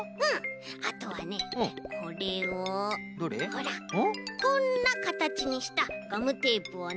ほらこんなかたちにしたガムテープをね。